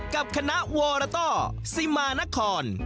กับคณะวรต้อสิมานคร